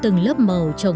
từng lớp màu trồng trồng